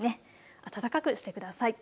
暖かくしてください。